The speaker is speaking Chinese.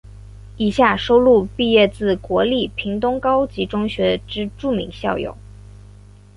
以下收录毕业自国立屏东高级中学之著名校友。